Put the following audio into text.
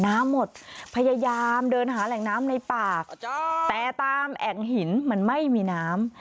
น้ำหมดพยายามเดินหาแหล่งน้ำในปากแต่ตามแอ่งหินมันไม่มีน้ำ